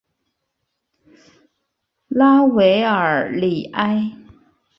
拉韦尔里埃。